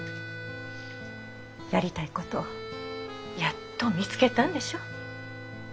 やりたいことやっと見つけたんでしょ？